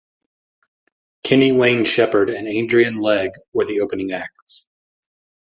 Kenny Wayne Shepherd and Adrian Legg were the opening acts.